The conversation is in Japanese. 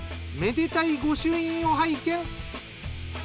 めでたい御朱印を拝見。